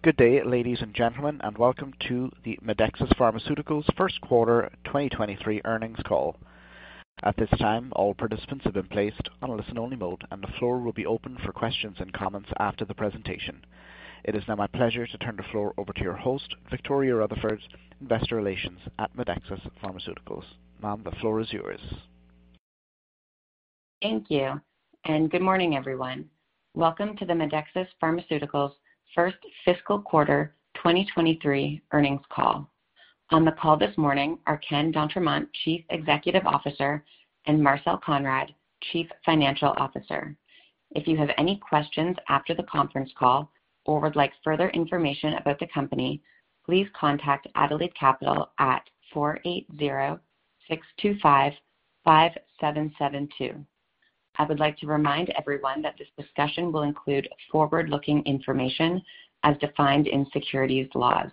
Good day, ladies and gentlemen, and welcome to the Medexus Pharmaceuticals first quarter 2023 earnings call. At this time, all participants have been placed on a listen-only mode, and the floor will be open for questions and comments after the presentation. It is now my pleasure to turn the floor over to your host, Victoria Rutherford, Investor Relations at Medexus Pharmaceuticals. Ma'am, the floor is yours. Thank you. Good morning, everyone. Welcome to the Medexus Pharmaceuticals first fiscal quarter 2023 earnings call. On the call this morning are Ken d'Entremont, Chief Executive Officer, and Marcel Konrad, Chief Financial Officer. If you have any questions after the conference call or would like further information about the company, please contact Adelaide Capital at 480-625-5772. I would like to remind everyone that this discussion will include forward-looking information as defined in securities laws.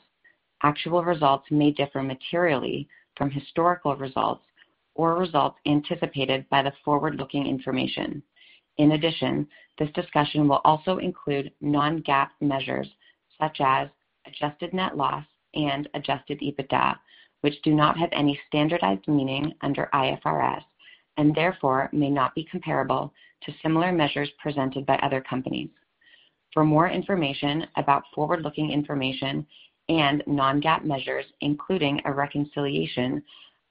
Actual results may differ materially from historical results or results anticipated by the forward-looking information. In addition, this discussion will also include non-GAAP measures such as adjusted net loss and adjusted EBITDA, which do not have any standardized meaning under IFRS and therefore may not be comparable to similar measures presented by other companies. For more information about forward-looking information and non-GAAP measures, including a reconciliation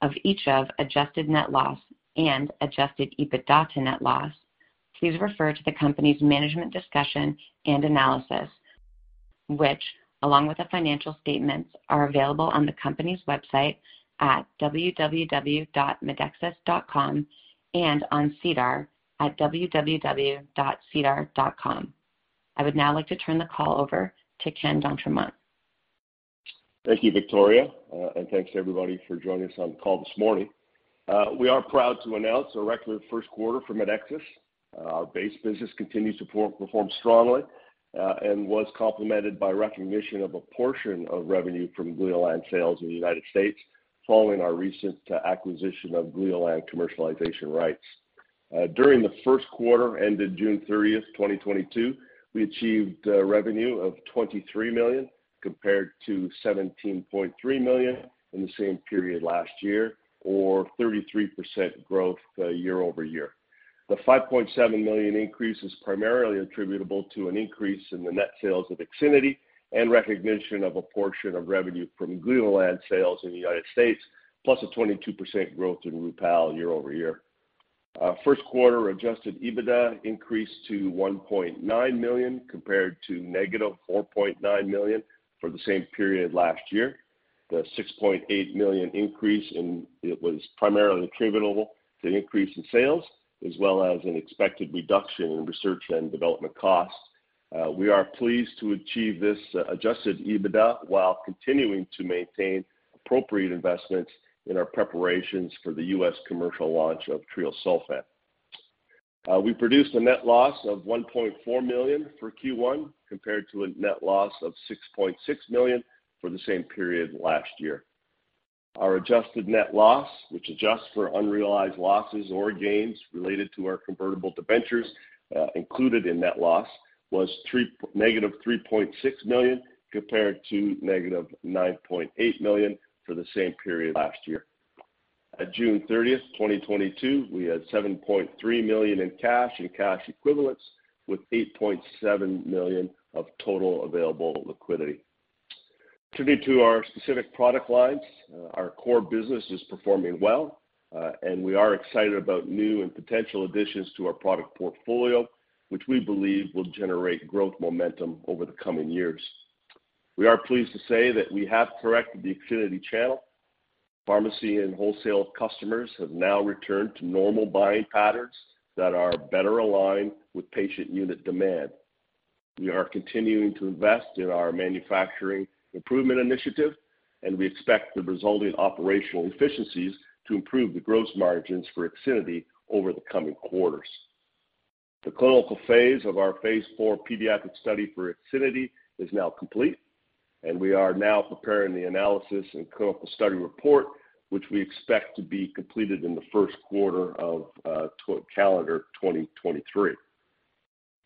of each of adjusted net loss and adjusted EBITDA to net loss, please refer to the company's management discussion and analysis, which, along with the financial statements, are available on the company's website at www.medexus.com and on SEDAR at www.sedar.com. I would now like to turn the call over to Ken d'Entremont. Thank you, Victoria, and thanks to everybody for joining us on the call this morning. We are proud to announce a record first quarter for Medexus. Our base business continues to perform strongly, and was complemented by recognition of a portion of revenue from Gleolan sales in the United States following our recent acquisition of Gleolan commercialization rights. During the first quarter ended June 30, 2022, we achieved revenue of $23 million compared to $17.3 million in the same period last year or 33% growth year-over-year. The $5.7 million increase is primarily attributable to an increase in the net sales of IXINITY and recognition of a portion of revenue from Gleolan sales in the United States, plus a 22% growth in Rupall year-over-year. First quarter adjusted EBITDA increased to $1.9 million compared to -$4.9 million for the same period last year. The $6.8 million increase was primarily attributable to an increase in sales as well as an expected reduction in research and development costs. We are pleased to achieve this adjusted EBITDA while continuing to maintain appropriate investments in our preparations for the U.S. commercial launch of treosulfan. We produced a net loss of 1.4 million for Q1 compared to a net loss of 6.6 million for the same period last year. Our adjusted net loss, which adjusts for unrealized losses or gains related to our convertible debentures included in net loss, was -$3.6 million compared to -$9.8 million for the same period last year. At June 30, 2022, we had $7.3 million in cash and cash equivalents with $8.7 million of total available liquidity. Turning to our specific product lines, our core business is performing well, and we are excited about new and potential additions to our product portfolio, which we believe will generate growth momentum over the coming years. We are pleased to say that we have corrected the IXINITY channel. Pharmacy and wholesale customers have now returned to normal buying patterns that are better aligned with patient unit demand. We are continuing to invest in our manufacturing improvement initiative, and we expect the resulting operational efficiencies to improve the gross margins for IXINITY over the coming quarters. The clinical phase of our phase IV pediatric study for IXINITY is now complete, and we are now preparing the analysis and clinical study report, which we expect to be completed in the first quarter of calendar 2023.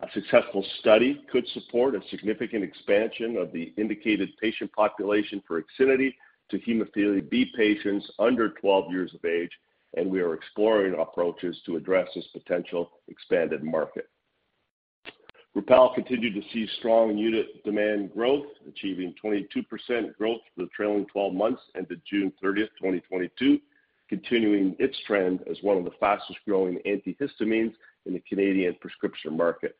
A successful study could support a significant expansion of the indicated patient population for IXINITY to hemophilia B patients under 12 years of age, and we are exploring approaches to address this potential expanded market. Rupall continued to see strong unit demand growth, achieving 22% growth for the trailing twelve months ended June 30, 2022, continuing its trend as one of the fastest-growing antihistamines in the Canadian prescription market.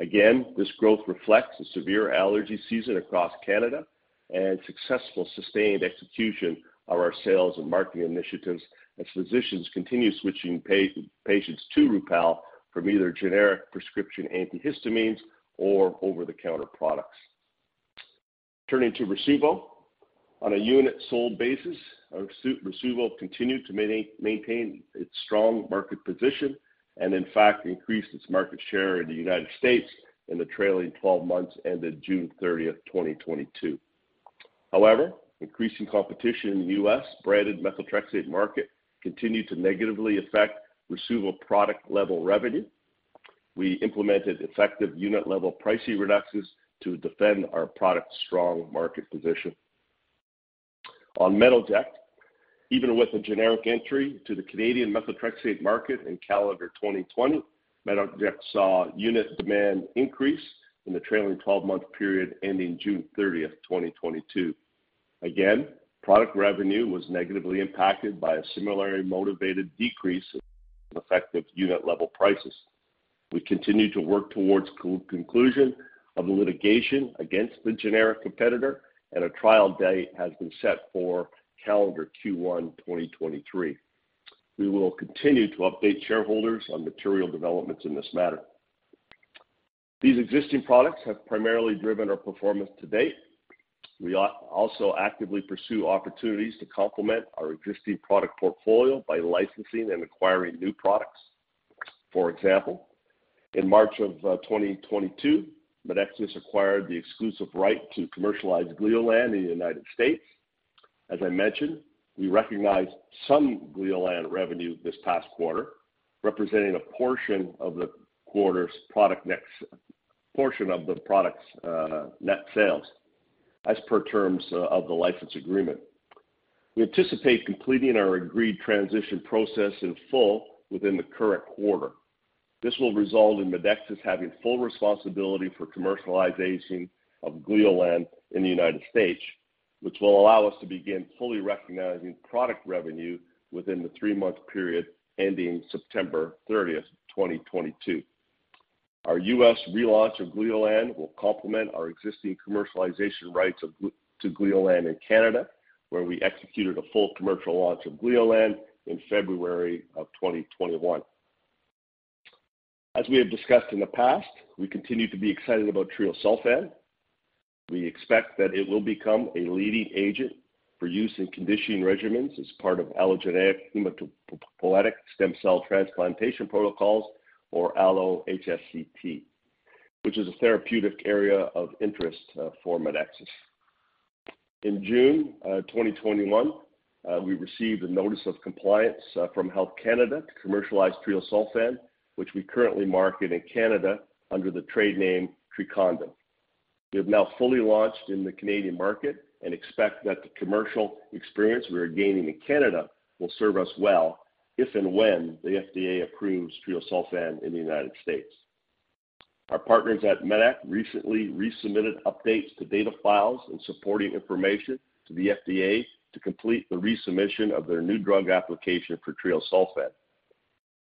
This growth reflects a severe allergy season across Canada and successful sustained execution of our sales and marketing initiatives as physicians continue switching patients to Rupall from either generic prescription antihistamines or over-the-counter products. Turning to Rasuvo. On a unit sold basis, Rasuvo continued to maintain its strong market position and in fact increased its market share in the United States in the trailing twelve months ended June 30, 2022. However, increasing competition in the U.S. branded methotrexate market continued to negatively affect Rasuvo product level revenue. We implemented effective unit level price reductions to defend our product's strong market position. On Metoject, even with a generic entry to the Canadian methotrexate market in calendar 2020, Metoject saw unit demand increase in the trailing twelve-month period ending June 30, 2022. Again, product revenue was negatively impacted by a similarly motivated decrease in effective unit level prices. We continue to work towards conclusion of the litigation against the generic competitor, and a trial date has been set for calendar Q1 2023. We will continue to update shareholders on material developments in this matter. These existing products have primarily driven our performance to date. We also actively pursue opportunities to complement our existing product portfolio by licensing and acquiring new products. For example, in March of 2022, Medexus acquired the exclusive right to commercialize Gleolan in the United States. As I mentioned, we recognized some Gleolan revenue this past quarter, representing a portion of the product's net sales as per terms of the license agreement. We anticipate completing our agreed transition process in full within the current quarter. This will result in Medexus having full responsibility for commercialization of Gleolan in the United States, which will allow us to begin fully recognizing product revenue within the three-month period ending September thirtieth, 2022. Our U.S. relaunch of Gleolan will complement our existing commercialization rights to Gleolan in Canada, where we executed a full commercial launch of Gleolan in February 2021. As we have discussed in the past, we continue to be excited about treosulfan. We expect that it will become a leading agent for use in conditioning regimens as part of allogeneic hematopoietic stem cell transplantation protocols, or allo-HSCT, which is a therapeutic area of interest for Medexus. In June 2021, we received a notice of compliance from Health Canada to commercialize treosulfan, which we currently market in Canada under the trade name Trecondyv. We have now fully launched in the Canadian market and expect that the commercial experience we are gaining in Canada will serve us well if and when the FDA approves treosulfan in the United States. Our partners at medac recently resubmitted updates to data files and supporting information to the FDA to complete the resubmission of their new drug application for treosulfan.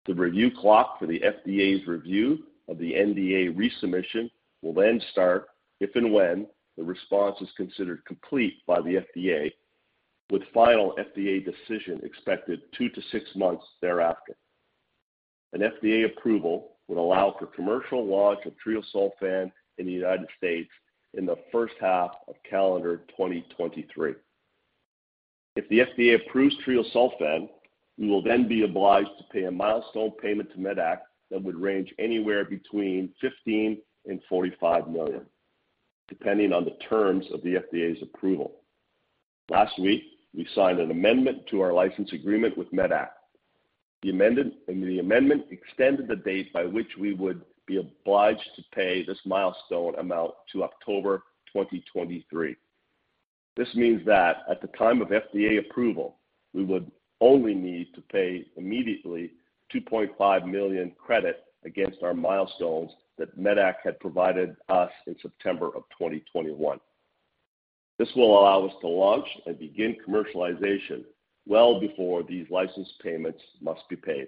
The review clock for the FDA's review of the NDA resubmission will then start if and when the response is considered complete by the FDA, with final FDA decision expected two to six months thereafter. An FDA approval would allow for commercial launch of treosulfan in the United States in the first half of calendar 2023. If the FDA approves treosulfan, we will then be obliged to pay a milestone payment to medac that would range anywhere between $15 million and $45 million, depending on the terms of the FDA's approval. Last week, we signed an amendment to our license agreement with medac. The amendment extended the date by which we would be obliged to pay this milestone amount to October 2023. This means that at the time of FDA approval, we would only need to pay immediately $2.5 million credit against our milestones that medac had provided us in September 2021. This will allow us to launch and begin commercialization well before these license payments must be paid.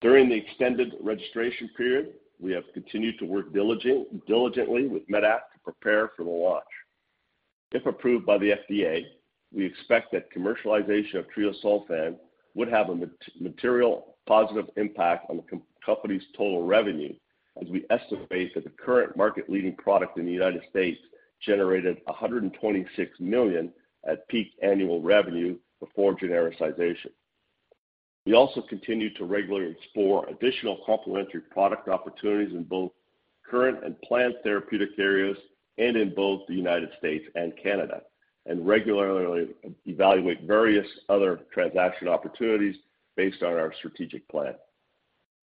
During the extended registration period, we have continued to work diligently with medac to prepare for the launch. If approved by the FDA, we expect that commercialization of treosulfan would have a material positive impact on the company's total revenue, as we estimate that the current market-leading product in the United States generated $126 million at peak annual revenue before genericization. We also continue to regularly explore additional complementary product opportunities in both current and planned therapeutic areas and in both the United States and Canada, and regularly evaluate various other transaction opportunities based on our strategic plan.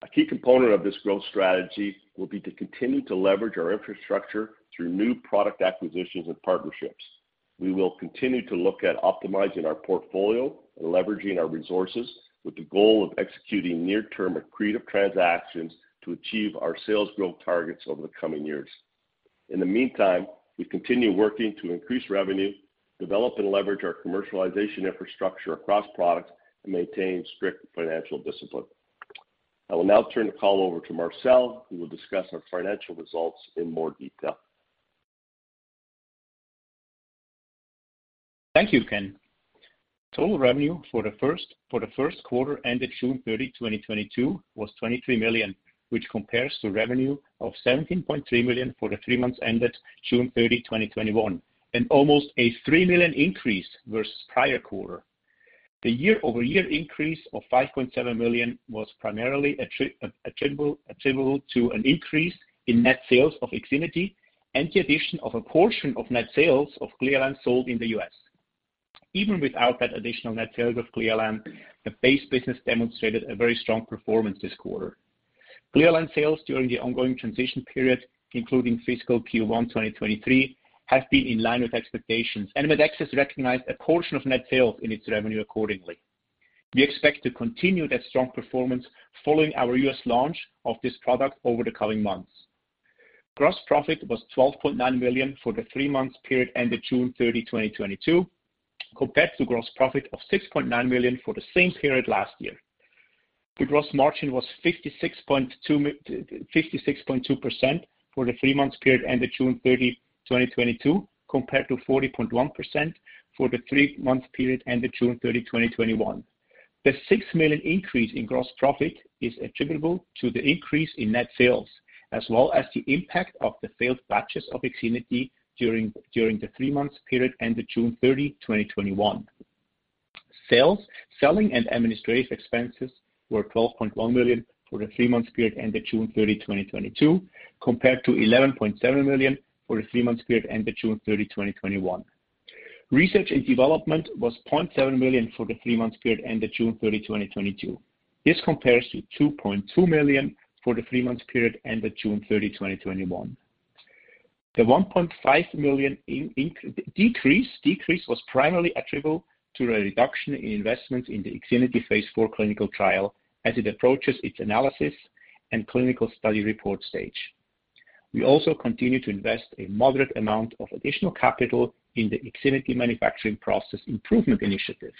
A key component of this growth strategy will be to continue to leverage our infrastructure through new product acquisitions and partnerships. We will continue to look at optimizing our portfolio and leveraging our resources with the goal of executing near-term accretive transactions to achieve our sales growth targets over the coming years. In the meantime, we continue working to increase revenue, develop and leverage our commercialization infrastructure across products, and maintain strict financial discipline. I will now turn the call over to Marcel, who will discuss our financial results in more detail. Thank you, Ken. Total revenue for the first quarter ended June 30, 2022 was $23 million, which compares to revenue of $17.3 million for the three months ended June 30, 2021, an almost a $3 million increase versus prior quarter. The year-over-year increase of $5.7 million was primarily attributable to an increase in net sales of IXINITY and the addition of a portion of net sales of Gleolan sold in the U.S. Even without that additional net sales of Gleolan, the base business demonstrated a very strong performance this quarter. Gleolan sales during the ongoing transition period, including fiscal Q1 2023, have been in line with expectations, and Medexus has recognized a portion of net sales in its revenue accordingly. We expect to continue that strong performance following our U.S. launch of this product over the coming months. Gross profit was $12.9 million for the three-month period ended June 30, 2022, compared to gross profit of $6.9 million for the same period last year. The gross margin was 56.2% for the three-month period ended June 30, 2022, compared to 40.1% for the three-month period ended June 30, 2021. The 6 million increase in gross profit is attributable to the increase in net sales, as well as the impact of the failed batches of IXINITY during the three-month period ended June 30, 2021. Sales, selling and administrative expenses were $12.1 million for the three-month period ended June 30, 2022, compared to $11.7 million for the three-month period ended June 30, 2021. Research and development was $0.7 million for the three-month period ended June 30, 2022. This compares to $2.2 million for the three-month period ended June 30, 2021. The $1.5 million decrease was primarily attributable to a reduction in investments in the IXINITY phase IV clinical trial as it approaches its analysis and clinical study report stage. We also continue to invest a moderate amount of additional capital in the IXINITY manufacturing process improvement initiative.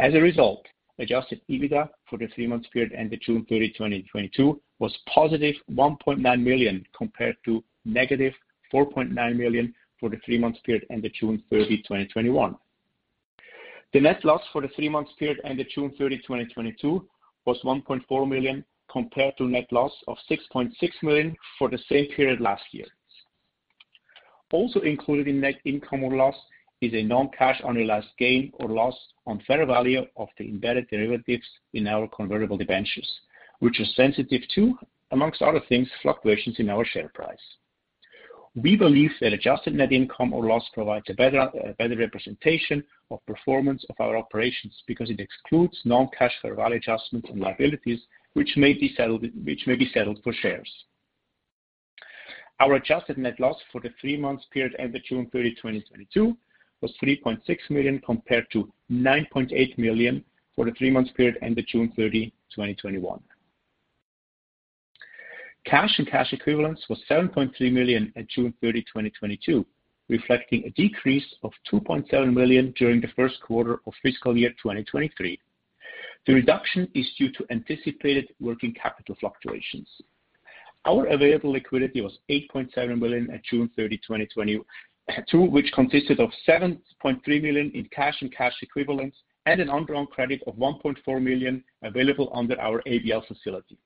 As a result, adjusted EBITDA for the three-month period ended June 30, 2022 was positive $1.9 million compared to -$4.9 million for the three-month period ended June 30, 2021. The net loss for the three-month period ended June 30, 2022 was $1.4 million compared to net loss of $6.6 million for the same period last year. Also included in net income or loss is a non-cash unrealized gain or loss on fair value of the embedded derivatives in our convertible debentures, which are sensitive to, amongst other things, fluctuations in our share price. We believe that adjusted net income or loss provides a better representation of performance of our operations because it excludes non-cash fair value adjustments and liabilities which may be settled for shares. Our adjusted net loss for the three-month period ended June 30, 2022 was $3.6 million compared to $9.8 million for the three-month period ended June 30, 2021. Cash and cash equivalents was $7.3 million at June 30, 2022, reflecting a decrease of $2.7 million during the first quarter of fiscal year 2023. The reduction is due to anticipated working capital fluctuations. Our available liquidity was $8.7 million at June 30, 2022, which consisted of $7.3 million in cash and cash equivalents and an undrawn credit of $1.4 million available under our ABL facility.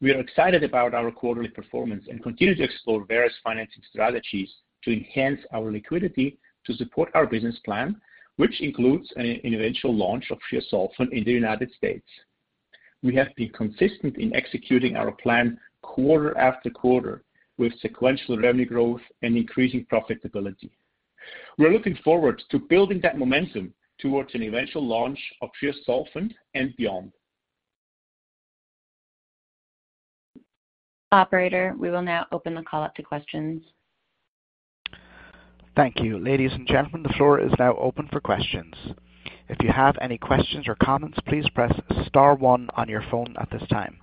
We are excited about our quarterly performance and continue to explore various financing strategies to enhance our liquidity to support our business plan, which includes an eventual launch of treosulfan in the United States. We have been consistent in executing our plan quarter after quarter with sequential revenue growth and increasing profitability. We are looking forward to building that momentum towards an eventual launch of treosulfan and beyond. Operator, we will now open the call up to questions. Thank you. Ladies and gentlemen, the floor is now open for questions. If you have any questions or comments, please press star one on your phone at this time.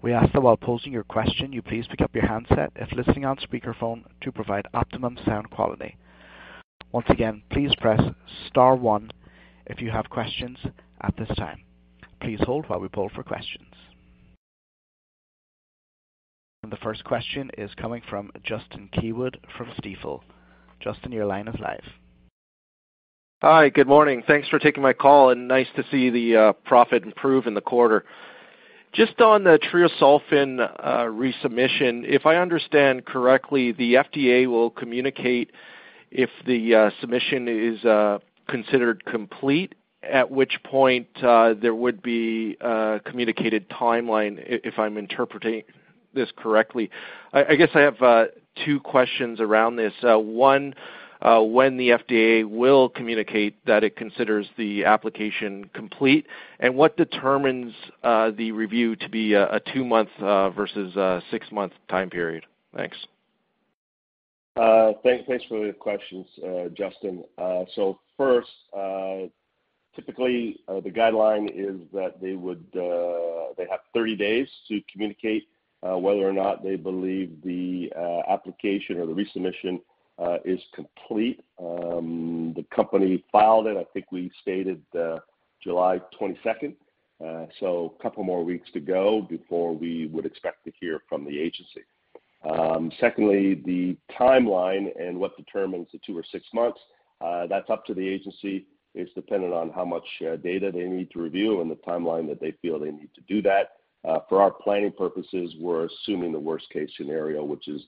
We ask that while posing your question, you please pick up your handset if listening on speakerphone to provide optimum sound quality. Once again, please press star one if you have questions at this time. Please hold while we poll for questions. The first question is coming from Justin Keywood from Stifel. Justin, your line is live. Hi. Good morning. Thanks for taking my call and nice to see the profit improve in the quarter. Just on the treosulfan resubmission, if I understand correctly, the FDA will communicate if the submission is considered complete, at which point there would be a communicated timeline if I'm interpreting this correctly. I guess I have two questions around this. One, when the FDA will communicate that it considers the application complete, and what determines the review to be a two-month versus a six-month time period? Thanks. Thanks for the questions, Justin. The guideline is that they have 30 days to communicate whether or not they believe the application or the resubmission is complete. The company filed it, I think we stated, July 22. Couple more weeks to go before we would expect to hear from the agency. The timeline and what determines the two or six months, that's up to the agency. It's dependent on how much data they need to review and the timeline that they feel they need to do that. For our planning purposes, we're assuming the worst case scenario, which is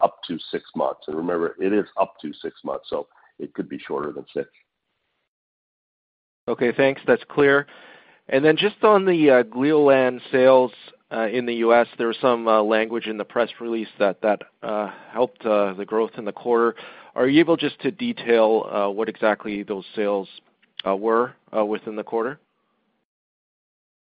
up to six months. Remember, it is up to six months, so it could be shorter than six. Okay, thanks. That's clear. Just on the Gleolan sales in the U.S., there was some language in the press release that helped the growth in the quarter. Are you able just to detail what exactly those sales were within the quarter?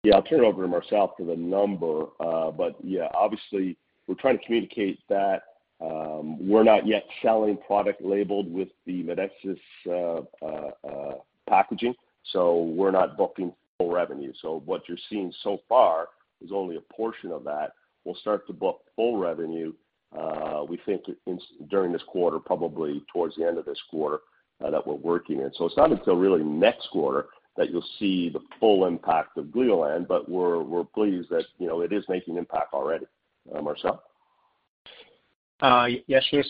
Yeah, I'll turn it over to Marcel for the number. But yeah, obviously we're trying to communicate that, we're not yet selling product labeled with the Medexus packaging, so we're not booking full revenue. So what you're seeing so far is only a portion of that. We'll start to book full revenue, we think during this quarter, probably towards the end of this quarter, that we're working in. So it's not until really next quarter that you'll see the full impact of Gleolan, but we're pleased that, you know, it is making impact already. Marcel. Yes, sure.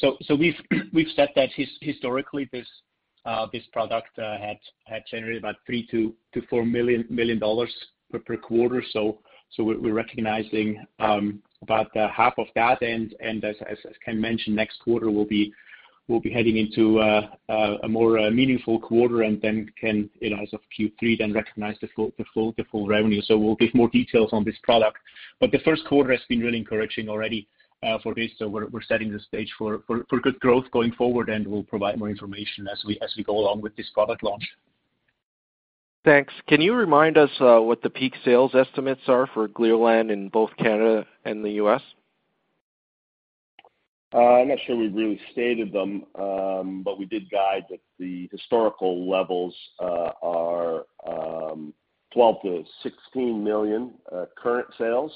We've said that historically this product had generated about $3 million-$4 million per quarter. We're recognizing about half of that. As Ken mentioned, next quarter we'll be heading into a more meaningful quarter and then, you know, as of Q3 then recognize the full revenue. We'll give more details on this product. The first quarter has been really encouraging already for this. We're setting the stage for good growth going forward and we'll provide more information as we go along with this product launch. Thanks. Can you remind us what the peak sales estimates are for Gleolan in both Canada and the U.S.? I'm not sure we've really stated them. We did guide that the historical levels are $12 million-$16 million current sales.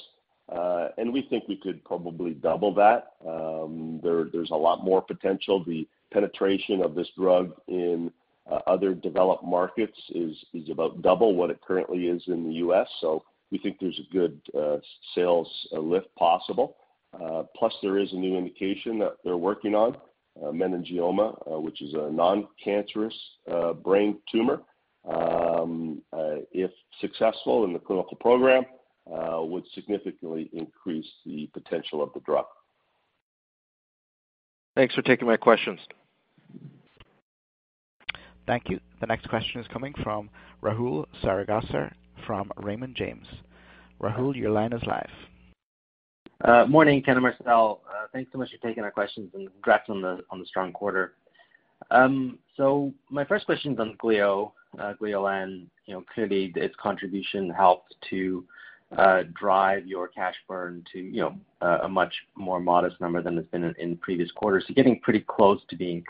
We think we could probably double that. There's a lot more potential. The penetration of this drug in other developed markets is about double what it currently is in the U.S., so we think there's a good sales lift possible. Plus there is a new indication that they're working on meningioma, which is a non-cancerous brain tumor. If successful in the clinical program, would significantly increase the potential of the drug. Thanks for taking my questions. Thank you. The next question is coming from Rahul Sarugaser from Raymond James. Rahul, your line is live. Morning, Ken and Marcel. Thanks so much for taking our questions, and congrats on the strong quarter. My first question is on Gleolan. You know, clearly its contribution helped to drive your cash burn to, you know, a much more modest number than it's been in previous quarters, so getting pretty close to being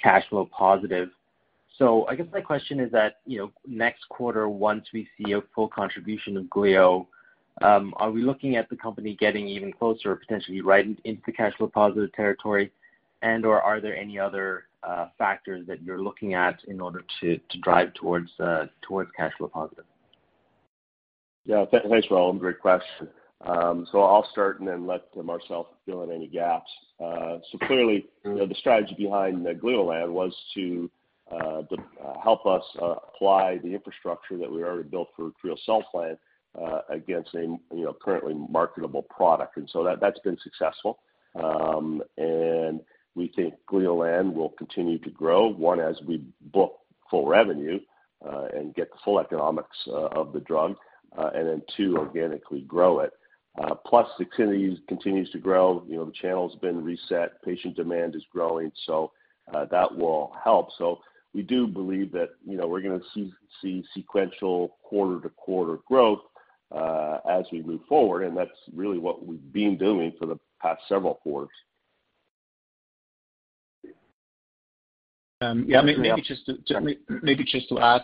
cash flow positive. I guess my question is that, you know, next quarter once we see a full contribution of Gleo, are we looking at the company getting even closer, potentially right into cash flow positive territory, and/or are there any other factors that you're looking at in order to drive towards cash flow positive? Yeah. Thanks, Rahul. Great question. I'll start and then let Marcel fill in any gaps. Clearly, you know, the strategy behind Gleolan was to help us apply the infrastructure that we already built for treosulfan plant against a, you know, currently marketable product. That, that's been successful. We think Gleolan will continue to grow, one, as we book full revenue and get the full economics of the drug, and then two, organically grow it. Plus the activity continues to grow. You know, the channel's been reset. Patient demand is growing. That will help. We do believe that, you know, we're gonna see sequential quarter-to-quarter growth as we move forward, and that's really what we've been doing for the past several quarters. Maybe just to add,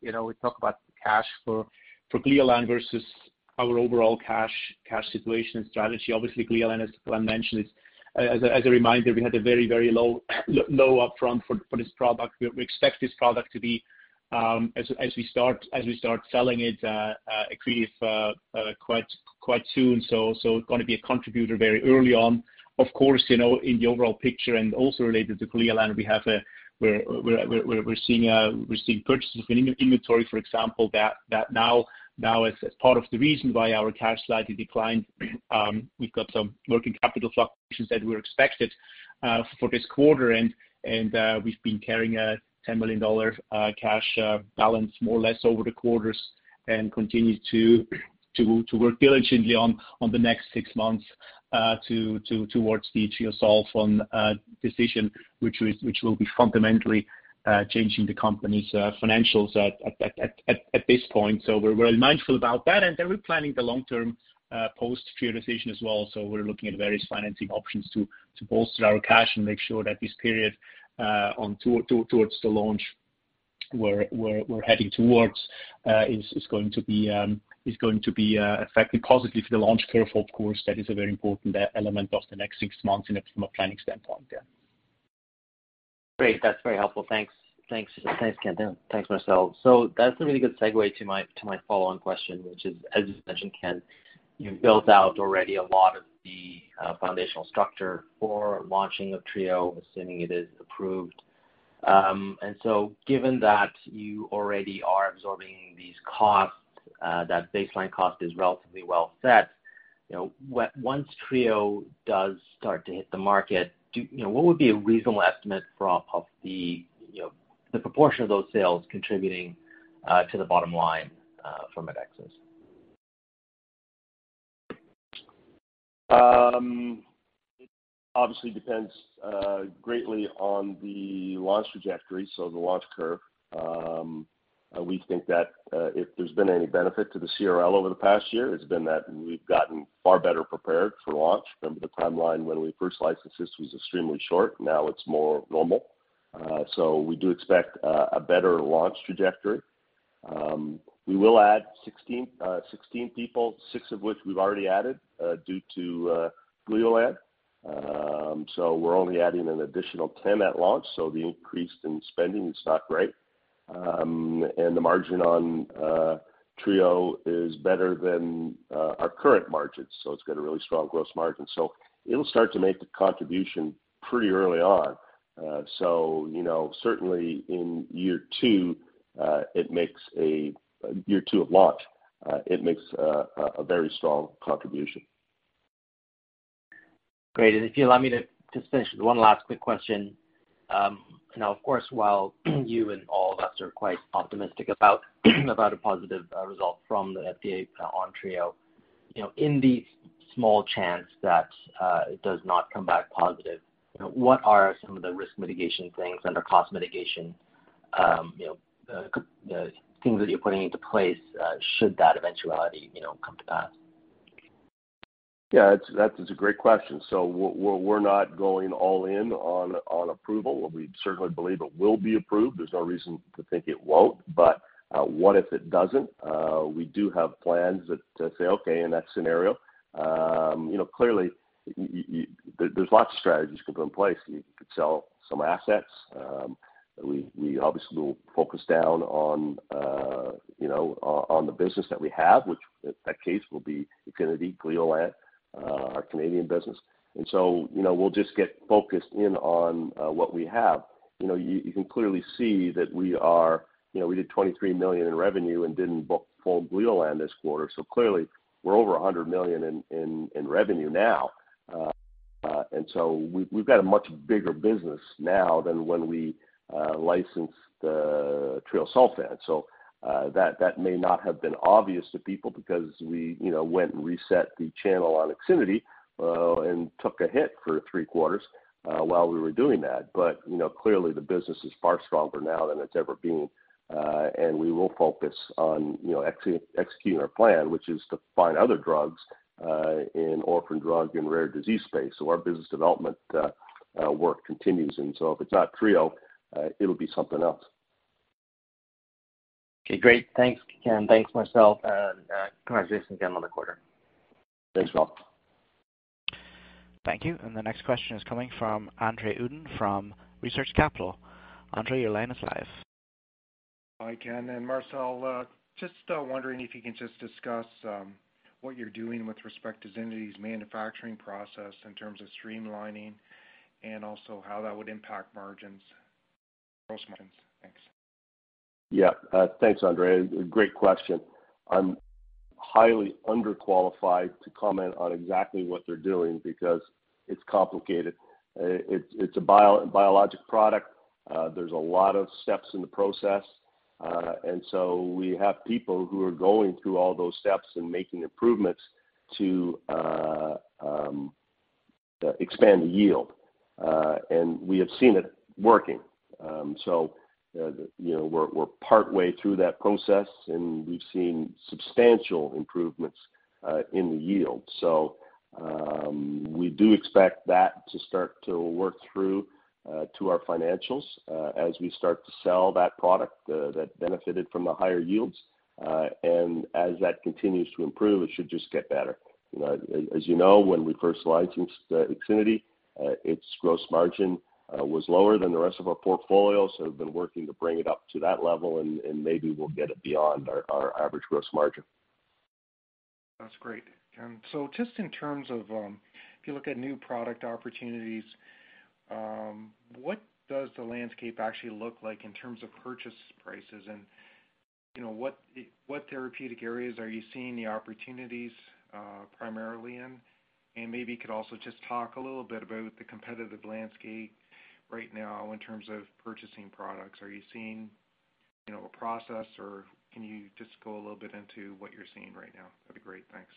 you know, we talk about cash for Gleolan versus our overall cash situation and strategy. Obviously, Gleolan, as Ken mentioned. As a reminder, we had a very low upfront for this product. We expect this product to be, as we start selling it, accretive, quite soon, so gonna be a contributor very early on. Of course, you know, in the overall picture and also related to Gleolan, we're seeing purchases within inventory, for example, that now is part of the reason why our cash slightly declined. We've got some working capital fluctuations that were expected for this quarter and we've been carrying a $10 million cash balance more or less over the quarters and continue to work diligently on the next six months towards the treosulfan decision, which will be fundamentally changing the company's financials at this point. We're well mindful about that. Then we're planning the long term post treosulfan decision as well. We're looking at various financing options to bolster our cash and make sure that this period towards the launch we're heading towards is going to be affected positively for the launch, of course. That is a very important element of the next six months from a planning standpoint. Yeah. Great. That's very helpful. Thanks, Ken. Thanks, Marcel. That's a really good segue to my follow-on question, which is, as you mentioned, Ken, you've built out already a lot of the foundational structure for launching of treo, assuming it is approved. And so given that you already are absorbing these costs, that baseline cost is relatively well set. You know, once treo does start to hit the market, you know, what would be a reasonable estimate for the proportion of those sales contributing to the bottom line from Medexus? It obviously depends greatly on the launch trajectory, so the launch curve. We think that if there's been any benefit to the CRL over the past year, it's been that we've gotten far better prepared for launch. Remember the timeline when we first licensed this was extremely short. Now it's more normal. We do expect a better launch trajectory. We will add 16 people, six of which we've already added due to Gleolan. We're only adding an additional 10 at launch, so the increase in spending is not great. The margin on treo is better than our current margins, so it's got a really strong gross margin. It'll start to make the contribution pretty early on. You know, certainly in year two, it makes a contribution. Year two of launch, it makes a very strong contribution. Great. If you allow me to finish with one last quick question. You know, of course, while you and all of us are quite optimistic about a positive result from the FDA on treo, you know, in the small chance that it does not come back positive, you know, what are some of the risk mitigation things under cost mitigation, you know, things that you're putting into place, should that eventuality, you know, come to pass? That is a great question. We're not going all in on approval. We certainly believe it will be approved. There's no reason to think it won't. What if it doesn't? We do have plans that say, okay, in that scenario, you know, clearly there's lots of strategies you can put in place. You could sell some assets. We obviously will focus down on, you know, on the business that we have, which in that case will be IXINITY, Gleolan, our Canadian business. You know, we'll just get focused in on what we have. You know, you can clearly see that we are, you know, we did $23 million in revenue and didn't book for Gleolan this quarter. Clearly we're over $100 million in revenue now. We've got a much bigger business now than when we licensed treosulfan. That may not have been obvious to people because we, you know, went and reset the channel on IXINITY, and took a hit for three quarters while we were doing that. You know, clearly the business is far stronger now than it's ever been. We will focus on, you know, executing our plan, which is to find other drugs in orphan drug and rare disease space. Our business development work continues. If it's not treo, it'll be something else. Okay, great. Thanks, Ken. Thanks, Marcel. Congratulations again on the quarter. Thanks, Marcel. Thank you. The next question is coming from Andre Uddin from Research Capital. Andre, your line is live. Hi, Ken and Marcel. Just wondering if you can just discuss what you're doing with respect to IXINITY's manufacturing process in terms of streamlining, and also how that would impact margins, gross margins. Thanks. Thanks, Andre. Great question. I'm highly underqualified to comment on exactly what they're doing because it's complicated. It's a biologic product. There's a lot of steps in the process. We have people who are going through all those steps and making improvements to expand the yield. We have seen it working. You know, we're partway through that process, and we've seen substantial improvements in the yield. We do expect that to start to work through to our financials as we start to sell that product that benefited from the higher yields. As that continues to improve, it should just get better. You know, as you know, when we first licensed IXINITY, its gross margin was lower than the rest of our portfolio. We've been working to bring it up to that level and maybe we'll get it beyond our average gross margin. That's great. Just in terms of, if you look at new product opportunities, what does the landscape actually look like in terms of purchase prices? You know, what therapeutic areas are you seeing the opportunities primarily in? Maybe you could also just talk a little bit about the competitive landscape right now in terms of purchasing products. Are you seeing a process or can you just go a little bit into what you're seeing right now? That'd be great. Thanks.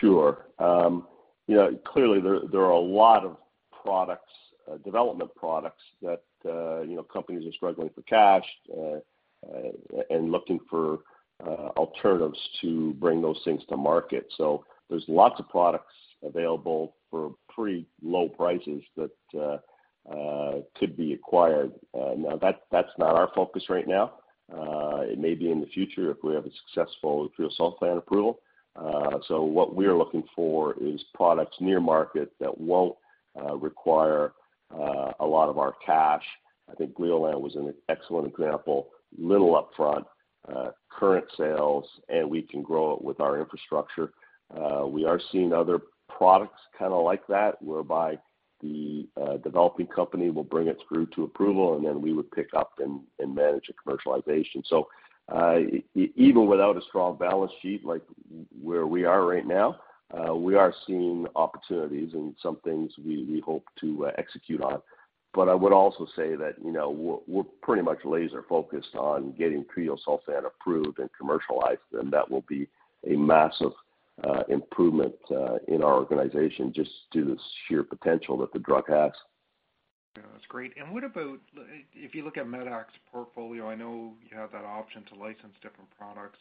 Sure. You know, clearly there are a lot of products, development products that you know, companies are struggling for cash and looking for alternatives to bring those things to market. There's lots of products available for pretty low prices that could be acquired. Now that's not our focus right now. It may be in the future if we have a successful treosulfan approval. What we're looking for is products near market that won't require a lot of our cash. I think Gleolan was an excellent example. Little upfront current sales, and we can grow it with our infrastructure. We are seeing other products kind of like that, whereby the developing company will bring its drug to approval, and then we would pick up and manage the commercialization. Even without a strong balance sheet like where we are right now, we are seeing opportunities and some things we hope to execute on. I would also say that, you know, we're pretty much laser focused on getting treosulfan approved and commercialized, and that will be a massive improvement in our organization just due to the sheer potential that the drug has. Yeah, that's great. What about if you look at medac's portfolio? I know you have that option to license different products.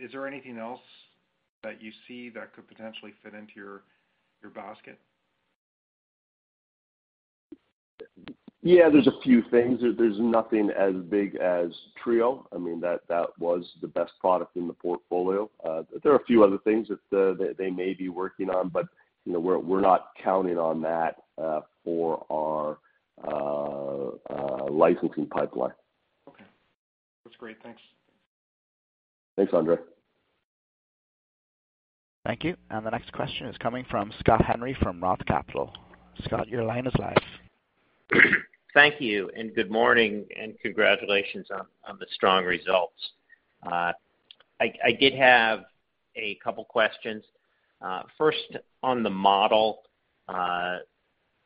Is there anything else that you see that could potentially fit into your basket? Yeah, there's a few things. There's nothing as big as treo. I mean, that was the best product in the portfolio. There are a few other things that they may be working on, but you know, we're not counting on that for our licensing pipeline. Okay, that's great. Thanks. Thanks, Andre. Thank you. The next question is coming from Scott Henry from Roth Capital. Scott, your line is live. Thank you, and good morning, and congratulations on the strong results. I did have a couple questions. First on the model,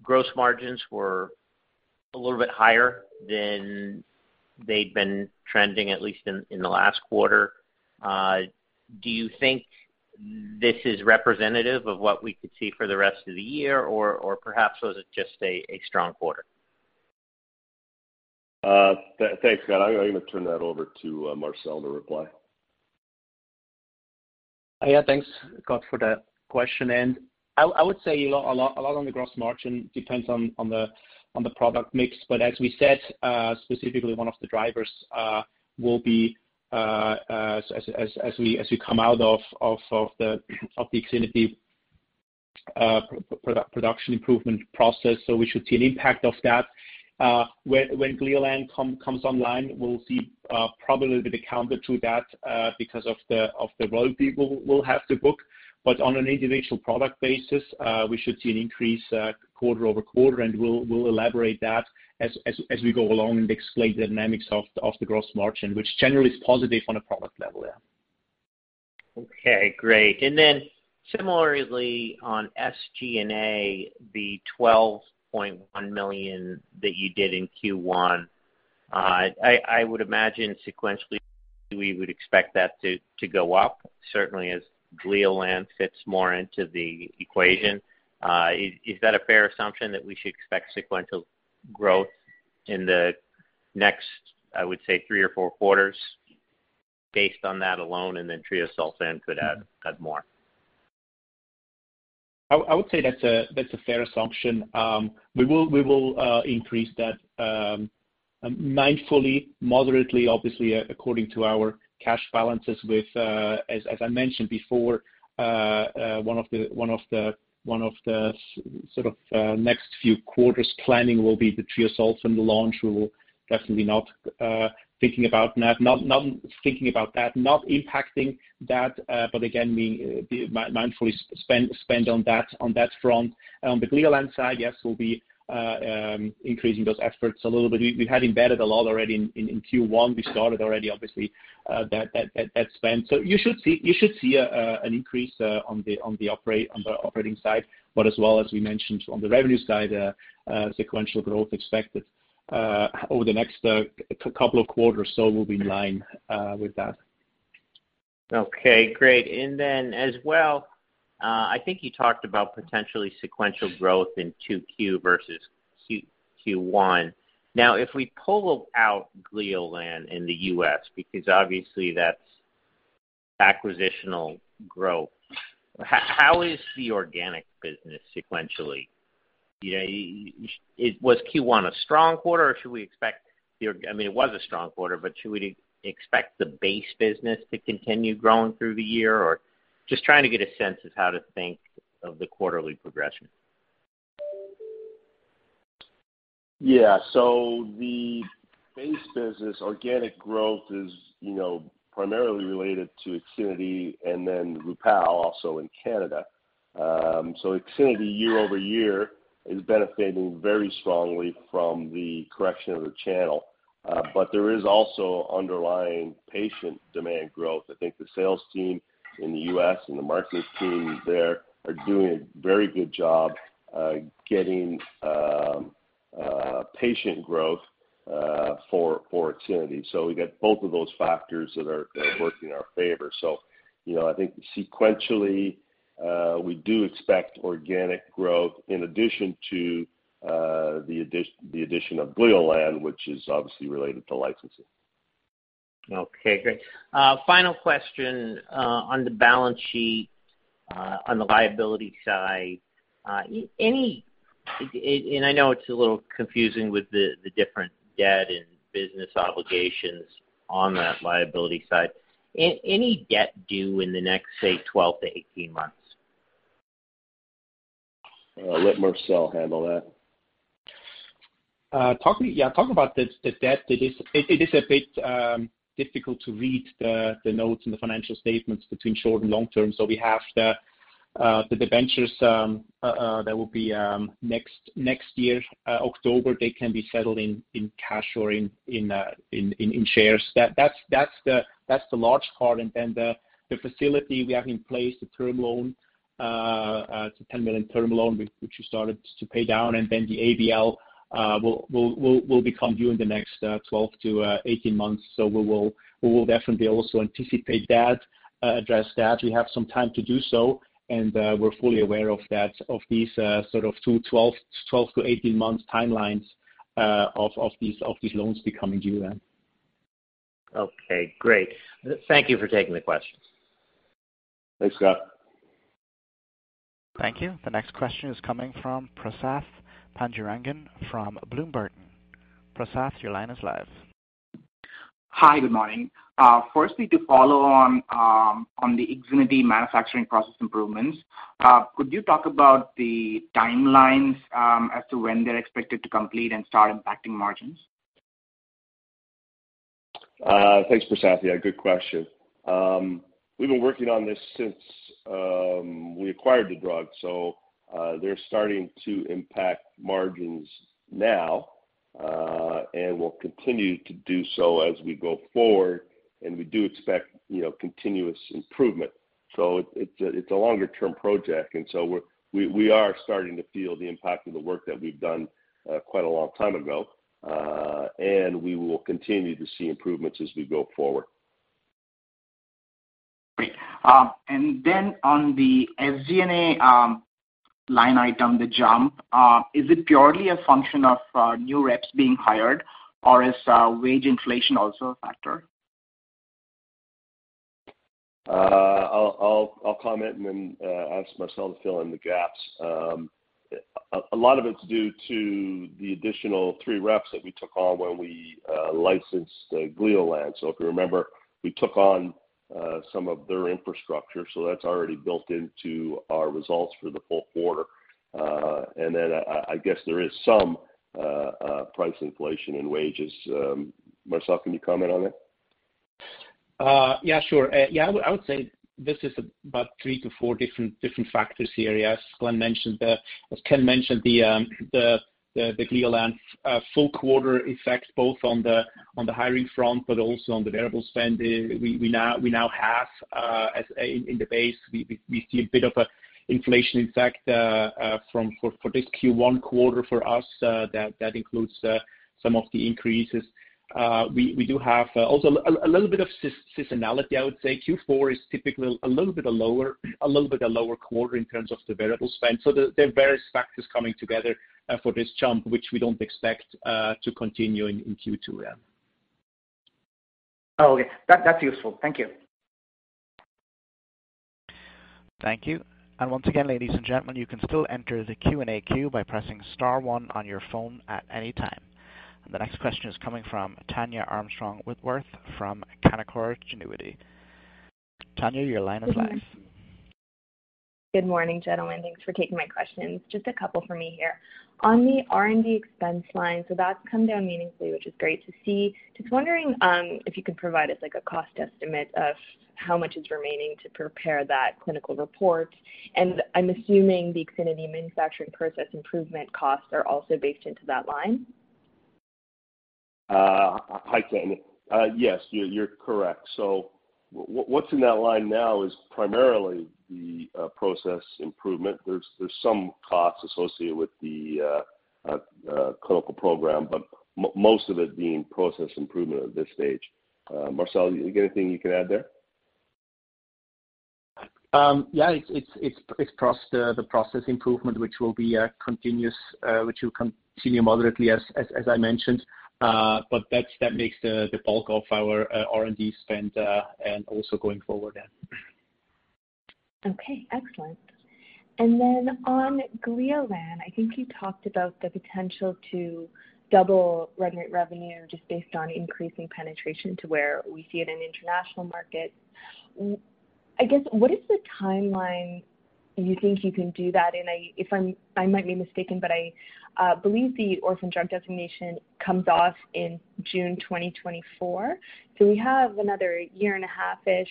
gross margins were a little bit higher than they'd been trending, at least in the last quarter. Do you think this is representative of what we could see for the rest of the year, or perhaps was it just a strong quarter? Thanks, Scott. I'm gonna turn that over to Marcel to reply. Yeah, thanks, Scott, for that question. I would say a lot on the gross margin depends on the product mix. As we said, specifically one of the drivers will be as we come out of the IXINITY production improvement process. We should see an impact of that. When Gleolan comes online, we'll see probably a little bit counter to that because of the volume we'll have to book. On an individual product basis, we should see an increase quarter-over-quarter, and we'll elaborate that as we go along and explain the dynamics of the gross margin, which generally is positive on a product level, yeah. Okay, great. Similarly on SG&A, the $12.1 million that you did in Q1, I would imagine sequentially we would expect that to go up, certainly as Gleolan fits more into the equation. Is that a fair assumption that we should expect sequential growth in the next, I would say, three or four quarters based on that alone, and then treosulfan could add more? I would say that's a fair assumption. We will increase that mindfully, moderately, obviously, according to our cash balances, as I mentioned before, one of the sort of next few quarters planning will be the treosulfan launch. We will definitely not be thinking about impacting that. Again, we be mindfully spend on that front. The Gleolan side, yes, we'll be increasing those efforts a little bit. We had embedded a lot already in Q1. We started already obviously that spend. You should see an increase on the operating side. As well, as we mentioned on the revenue side, sequential growth expected over the next couple of quarters or so will be in line with that. Okay, great. As well, I think you talked about potentially sequential growth in Q2 versus Q1. Now, if we pull out Gleolan in the U.S., because obviously that's acquisitional growth, how is the organic business sequentially? You know, was Q1 a strong quarter or should we expect your. I mean, it was a strong quarter, but should we expect the base business to continue growing through the year. Just trying to get a sense of how to think of the quarterly progression. Yeah. The base business organic growth is, you know, primarily related to IXINITY and then Rupall also in Canada. IXINITY year-over-year is benefiting very strongly from the correction of the channel. But there is also underlying patient demand growth. I think the sales team in the U.S. and the marketing team there are doing a very good job, getting patient growth for IXINITY. We got both of those factors that work in our favor. You know, I think sequentially, we do expect organic growth in addition to the addition of Gleolan, which is obviously related to licensing. Okay, great. Final question on the balance sheet on the liability side. I know it's a little confusing with the different debt and business obligations on that liability side. Any debt due in the next, say, 12 to 18 months? Let Marcel handle that. Talking about the debt, it is a bit difficult to read the notes in the financial statements between short and long term. We have the debentures that will be next year, October, they can be settled in cash or in shares. That's the large part. The facility we have in place, the term loan, it's a $10 million term loan which we started to pay down, and then the ABL will become due in the next 12-18 months. We will definitely also anticipate that, address that. We have some time to do so, and we're fully aware of that, of these sort of 12 to 18-month timelines, of these loans becoming due then. Okay, great. Thank you for taking the questions. Thanks, Scott. Thank you. The next question is coming from Prasath Pandurangan from Bloom Burton. Prasath, your line is live. Hi, good morning. Firstly, to follow on the IXINITY manufacturing process improvements, could you talk about the timelines, as to when they're expected to complete and start impacting margins? Thanks, Prasath. Yeah, good question. We've been working on this since we acquired the drug, so they're starting to impact margins now, and will continue to do so as we go forward, and we do expect, you know, continuous improvement. It's a longer-term project. We're starting to feel the impact of the work that we've done quite a long time ago, and we will continue to see improvements as we go forward. Great. On the SG&A line item, the jump is it purely a function of new reps being hired, or is wage inflation also a factor? I'll comment and then ask Marcel to fill in the gaps. A lot of it's due to the additional three reps that we took on when we licensed Gleolan. If you remember, we took on some of their infrastructure, so that's already built into our results for the full quarter. I guess there is some price inflation in wages. Marcel, can you comment on it? Yeah, sure. Yeah, I would say this is about three to four different factors here. As Ken mentioned, the Gleolan full quarter effect both on the hiring front, but also on the variable spend, we now have as in the base. We see a bit of an inflation effect for this Q1 quarter for us, that includes some of the increases. We do have also a little bit of seasonality, I would say. Q4 is typically a little bit lower, a little bit lower quarter in terms of the variable spend. There are various factors coming together for this jump, which we don't expect to continue in Q2 then. Okay. That's useful. Thank you. Thank you. Once again, ladies and gentlemen, you can still enter the Q&A queue by pressing star one on your phone at any time. The next question is coming from Tania Armstrong-Whitworth from Canaccord Genuity. Tania, your line is live. Good morning, gentlemen. Thanks for taking my questions. Just a couple for me here. On the R&D expense line, so that's come down meaningfully, which is great to see. Just wondering, if you could provide us like a cost estimate of how much is remaining to prepare that clinical report. I'm assuming the IXINITY manufacturing process improvement costs are also baked into that line. Hi, Tania. Yes, you're correct. What's in that line now is primarily the process improvement. There's some costs associated with the clinical program, but most of it being process improvement at this stage. Marcel, you got anything you can add there? Yeah, it's the process, the process improvement, which will continue moderately as I mentioned. That's what makes the bulk of our R&D spend and also going forward then. Okay, excellent. Then on Gleolan, I think you talked about the potential to double revenue just based on increasing penetration to where we see it in international markets. I guess, what is the timeline you think you can do that in? If I might be mistaken, but I believe the orphan drug designation comes off in June 2024. We have another year and a half-ish.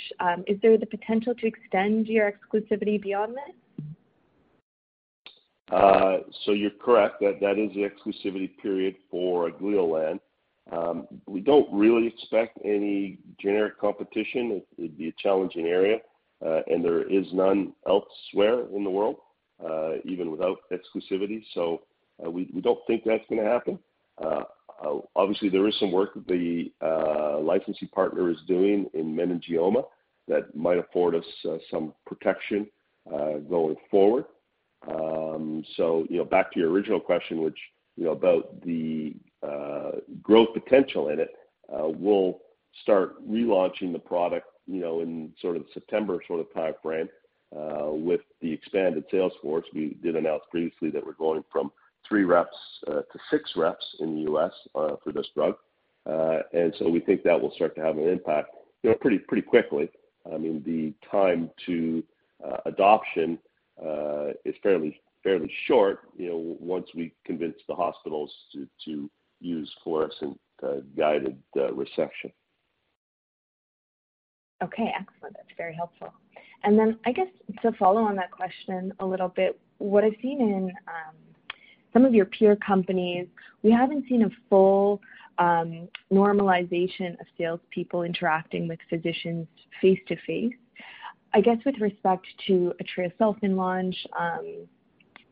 Is there the potential to extend your exclusivity beyond this? You're correct. That is the exclusivity period for Gleolan. We don't really expect any generic competition. It'd be a challenging area, and there is none elsewhere in the world, even without exclusivity. We don't think that's gonna happen. Obviously there is some work the licensing partner is doing in meningioma that might afford us some protection going forward. You know, back to your original question, which you know about the growth potential in it, we'll start relaunching the product, you know, in sort of September sort of timeframe, with the expanded sales force. We did announce previously that we're going from three reps to six reps in the U.S. for this drug. We think that will start to have an impact, you know, pretty quickly. I mean, the time to adoption is fairly short, you know, once we convince the hospitals to use fluorescence-guided resection. Okay. Excellent. That's very helpful. I guess to follow on that question a little bit, what I've seen in some of your peer companies, we haven't seen a full normalization of salespeople interacting with physicians face-to-face. I guess, with respect to a treosulfan launch,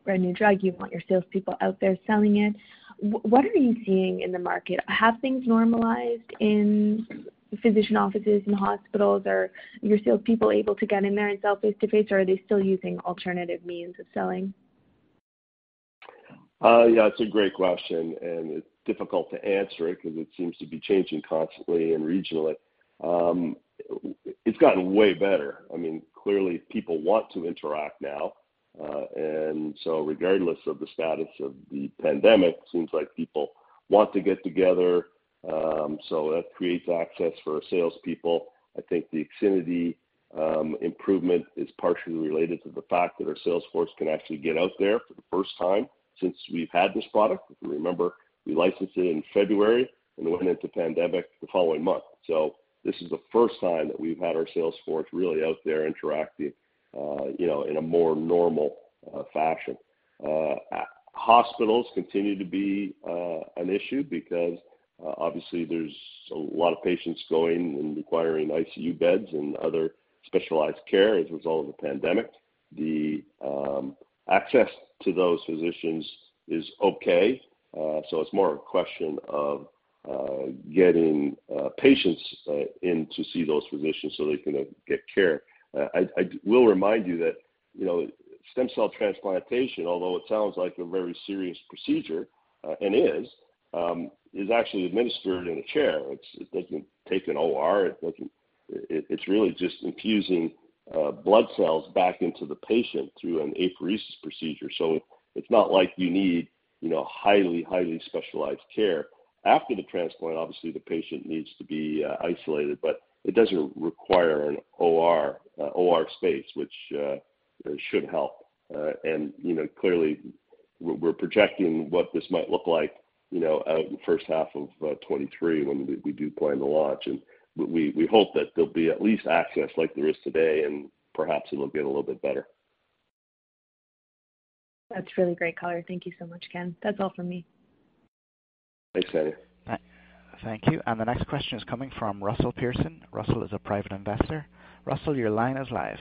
brand new drug, you want your salespeople out there selling it. What are you seeing in the market? Have things normalized in physician offices and hospitals? Are your salespeople able to get in there and sell face-to-face, or are they still using alternative means of selling? Yeah, it's a great question, and it's difficult to answer it 'cause it seems to be changing constantly and regionally. It's gotten way better. I mean, clearly people want to interact now, and so regardless of the status of the pandemic, seems like people want to get together. So that creates access for our salespeople. I think the IXINITY improvement is partially related to the fact that our sales force can actually get out there for the first time since we've had this product. If you remember, we licensed it in February and went into the pandemic the following month. So this is the first time that we've had our sales force really out there interacting, you know, in a more normal fashion. Hospitals continue to be an issue because obviously there's a lot of patients going and requiring ICU beds and other specialized care as a result of the pandemic. The access to those physicians is okay. It's more a question of getting patients in to see those physicians so they can get care. I will remind you that, you know, stem cell transplantation, although it sounds like a very serious procedure, and is actually administered in a chair. It doesn't take an OR. It doesn't. It's really just infusing blood cells back into the patient through an apheresis procedure. It's not like you need, you know, highly specialized care. After the transplant, obviously the patient needs to be isolated, but it doesn't require an OR space, which should help. You know, clearly we're projecting what this might look like, you know, out in the first half of 2023 when we do plan to launch. We hope that there'll be at least access like there is today, and perhaps it'll get a little bit better. That's really great color. Thank you so much, Ken. That's all for me. Thanks, Tania. Thank you. The next question is coming from Russell Pearson. Russell is a private investor. Russell, your line is live.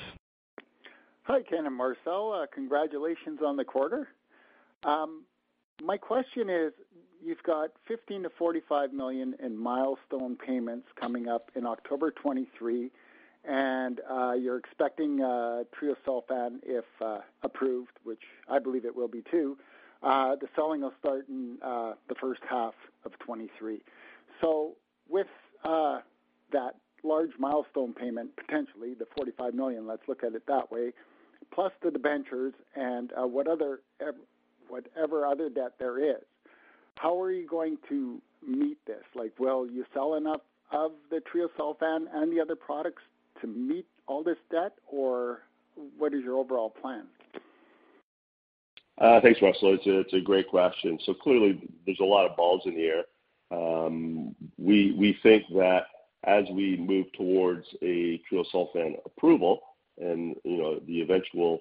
Hi, Ken and Marcel. Congratulations on the quarter. My question is, you've got $15 million-$45 million in milestone payments coming up in October 2023, and you're expecting treosulfan, if approved, which I believe it will be too, the selling will start in the first half of 2023. With that large milestone payment, potentially the $45 million, let's look at it that way, plus the debentures and what other whatever other debt there is, how are you going to meet this? Like, will you sell enough of the treosulfan and the other products to meet all this debt, or what is your overall plan? Thanks, Russell. It's a great question. Clearly there's a lot of balls in the air. We think that as we move towards a treosulfan approval and the eventual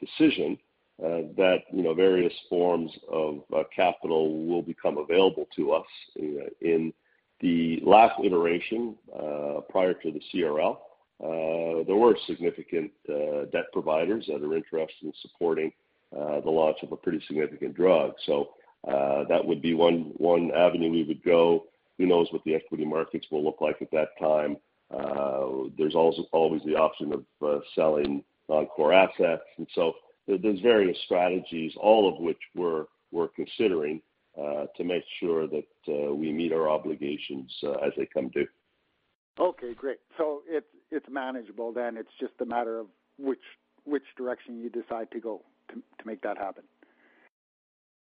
decision that various forms of capital will become available to us. In the last iteration prior to the CRL there were significant debt providers that are interested in supporting the launch of a pretty significant drug. That would be one avenue we would go. Who knows what the equity markets will look like at that time? There's also always the option of selling non-core assets. There are various strategies, all of which we're considering to make sure that we meet our obligations as they come due. Okay, great. It's manageable then. It's just a matter of which direction you decide to go to make that happen.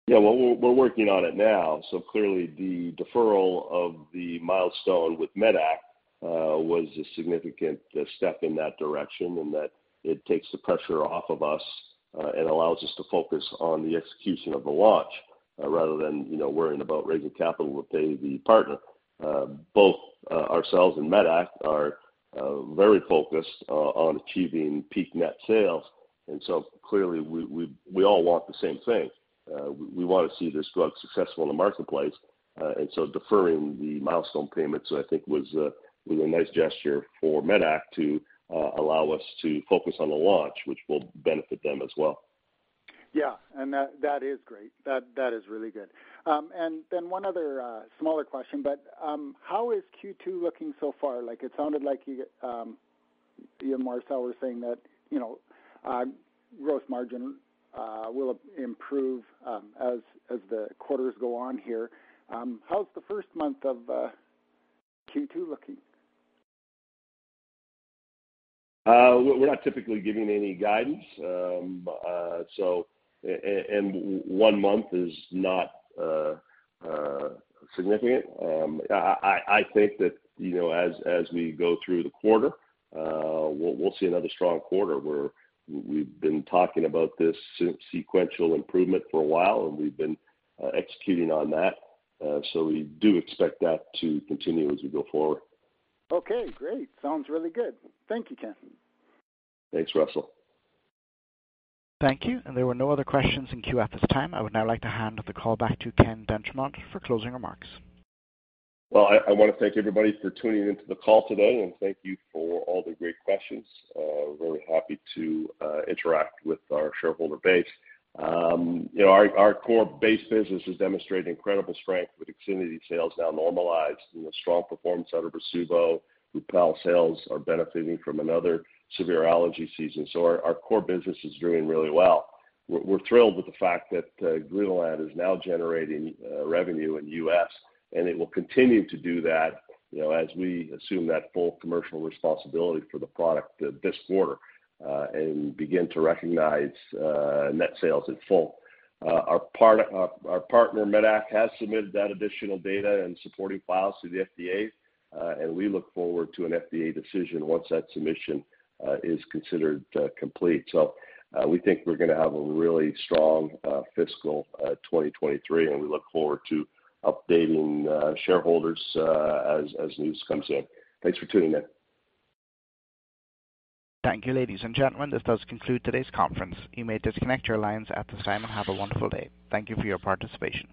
Yeah. Well, we're working on it now, so clearly the deferral of the milestone with medac was a significant step in that direction and that it takes the pressure off of us and allows us to focus on the execution of the launch rather than, you know, worrying about raising capital to pay the partner. Both ourselves and medac are very focused on achieving peak net sales, and so clearly we all want the same thing. We wanna see this drug successful in the marketplace. Deferring the milestone payments I think was a nice gesture for medac to allow us to focus on the launch, which will benefit them as well. Yeah. That is great. That is really good. Then one other smaller question, but how is Q2 looking so far? Like, it sounded like you Marcel were saying that, you know, gross margin will improve as the quarters go on here. How's the first month of Q2 looking? We're not typically giving any guidance, so one month is not significant. I think that, you know, as we go through the quarter, we'll see another strong quarter where we've been talking about this sequential improvement for a while, and we've been executing on that. We do expect that to continue as we go forward. Okay, great. Sounds really good. Thank you, Ken. Thanks, Russell. Thank you. There were no other questions in queue at this time. I would now like to hand the call back to Ken d'Entremont for closing remarks. Well, I wanna thank everybody for tuning into the call today, and thank you for all the great questions. Very happy to interact with our shareholder base. You know, our core base business has demonstrated incredible strength with IXINITY sales now normalized and the strong performance out of Rasuvo. Rupall sales are benefiting from another severe allergy season, so our core business is doing really well. We're thrilled with the fact that Gleolan is now generating revenue in the U.S., and it will continue to do that, you know, as we assume that full commercial responsibility for the product this quarter, and begin to recognize net sales in full. Our partner, medac, has submitted that additional data and supporting files to the FDA, and we look forward to an FDA decision once that submission is considered complete. We think we're gonna have a really strong fiscal 2023, and we look forward to updating shareholders as news comes in. Thanks for tuning in. Thank you, ladies and gentlemen. This does conclude today's conference. You may disconnect your lines at this time, and have a wonderful day. Thank you for your participation.